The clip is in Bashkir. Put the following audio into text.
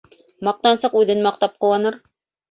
Маҡтансыҡ үҙен маҡтап ҡыуаныр